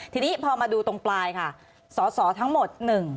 ทีนี้พอมาดูตรงปลายค่ะสสทั้งหมด